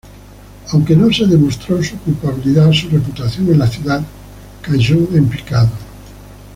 Aunque no se demostró su culpabilidad, su reputación en la ciudad cayó en picado.